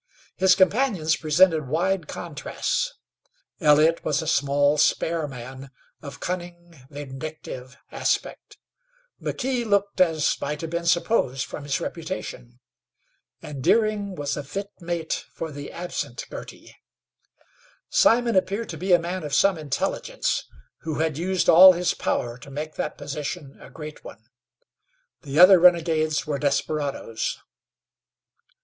His companions presented wide contrasts. Elliott was a small, spare man of cunning, vindictive aspect; McKee looked, as might have been supposed from his reputation, and Deering was a fit mate for the absent Girty. Simon appeared to be a man of some intelligence, who had used all his power to make that position a great one. The other renegades were desperadoes.